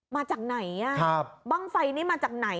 มาจากไหนอ่ะ